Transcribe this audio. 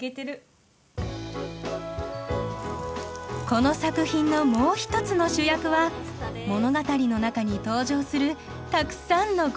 この作品のもう一つの主役は物語の中に登場するたくさんのごはん。